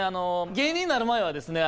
芸人になる前はですね